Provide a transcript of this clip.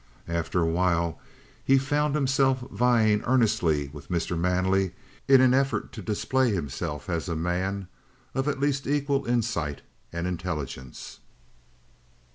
After a while he found himself vying earnestly with Mr. Manley in an effort to display himself as a man of at least equal insight and intelligence.